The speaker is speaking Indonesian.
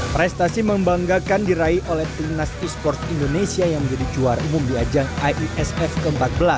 prestasi membanggakan diraih oleh timnas e sports indonesia yang menjadi juara umum di ajang iesf ke empat belas